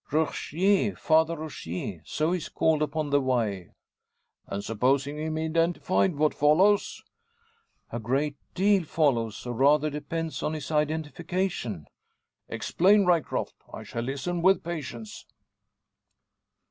"Rogier Father Rogier. So he is called upon the Wye." "And, supposing him identified, what follows?" "A great deal follows, or rather depends on his identification." "Explain, Ryecroft. I shall listen with patience."